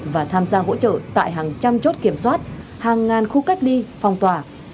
và tham gia hỗ trợ tại hàng trăm chốt kiểm soát hàng ngàn khu cách ly phong tỏa